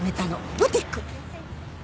ブティック？